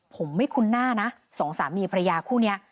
ผมไม่คุ้นหน้านะสองสามีภรรยาคู่นี้